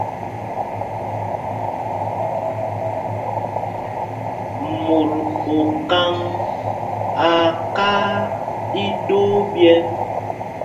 Mot okaŋ aa kaa iɗoo ɓyɛ́.